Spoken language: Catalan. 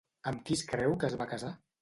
Amb qui es creu que es va casar?